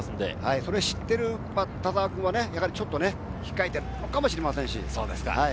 それを知ってる田澤君はちょっと控えているのかもしれませんし。